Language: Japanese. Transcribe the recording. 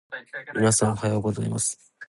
皆さん、おはようございます。